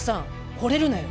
ほれるなよ。